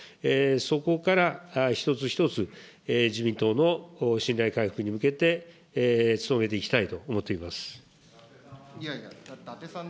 そこから一つ一つ、自民党の信頼回復に向けて努めていきたいと思っています。